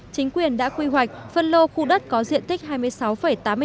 chính quyền đã quy hoạch phân lô khu đất có diện tích hai mươi sáu tám mươi năm hectare